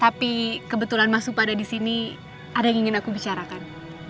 tapi kebetulan mas upa ada di sini ada yang ingin aku bicarakan